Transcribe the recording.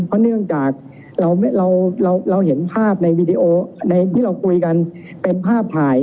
เพราะเนื่องจากเราเห็นภาพในวีดีโอในที่เราคุยกันเป็นภาพถ่าย